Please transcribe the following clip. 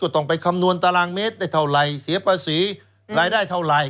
ต้องไปคำนวณตารางเมตรได้เท่าไหร่เสียภาษีรายได้เท่าไหร่